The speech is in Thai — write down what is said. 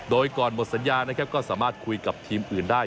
โดยก่อนหมดสัญญานะครับก็สามารถคุยกับทีมอื่นได้